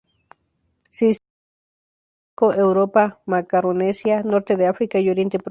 Se distribuye por el paleártico: Europa, Macaronesia, norte de África y Oriente Próximo.